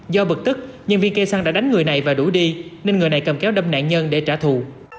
do bực tức nhân viên cây xăng đã đánh người này và đuổi đi nên người này cầm kéo đâm nạn nhân để trả thù